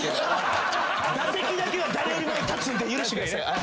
打席だけは誰よりも立つんで許してください。